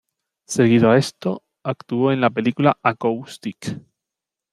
Seguido a esto, actuó en la película "Acoustic".